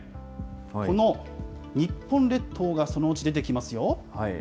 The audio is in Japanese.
この日本列島が、そのうち出てきますよ。